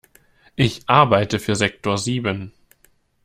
Ich arbeite für Sektor sieben.